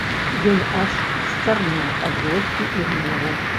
Ён аж счарнеў ад злосці і гневу.